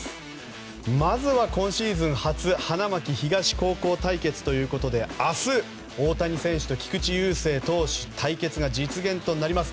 まずは今シーズン初花巻東高校対決ということで明日、大谷選手と菊池雄星投手の対戦が実現となります。